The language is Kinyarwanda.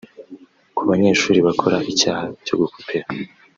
Ku banyeshuri bakora icyaha cyo gukopera